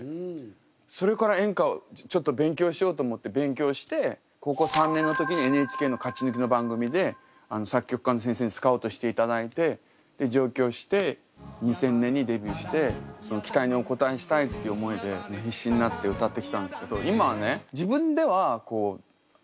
そしたら高校３年の時にＮＨＫの勝ち抜きの番組で作曲家の先生にスカウトしていただいて上京して２０００年にデビューしてその期待にお応えしたいっていう思いで必死になって歌ってきたんですけど今はね